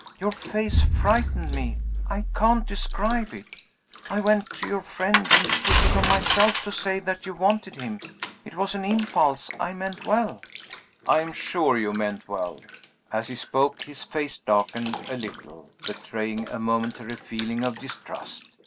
"Your face frightened me I can't describe it I went to your friend and took it on myself to say that you wanted him. It was an impulse I meant well." "I am sure you meant well." As he spoke, his face darkened a little, betraying a momentary feeling of distrust.